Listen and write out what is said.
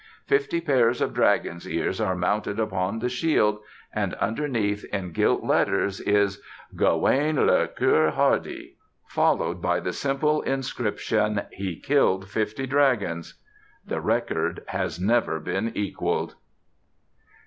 Fifty pairs of dragons' ears are mounted upon the shield and underneath in gilt letters is "Gawaine le Cœur Hardy," followed by the simple inscription, "He killed fifty dragons." The record has never been equaled.